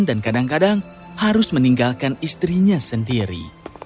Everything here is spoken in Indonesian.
dan kadang kadang harus meninggalkan istrinya sendiri